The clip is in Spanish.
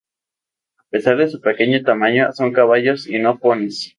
A pesar de su pequeño tamaño, son caballos y no ponis.